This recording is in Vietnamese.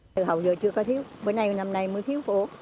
từ hầu giờ chưa có thiếu bữa nay năm nay mới thiếu khổ